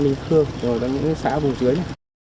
nhất là người dân